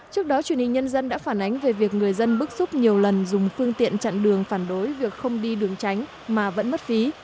trước đó truyền hình nhân dân đã phản ánh về việc người dân bức xúc nhiều lần dùng phương tiện chặn đường phản đối việc không đi đường tránh mà vẫn mất phí